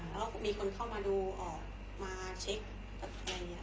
แล้วก็มีคนเข้ามาดูออกมาเช็คกับอะไรอย่างนี้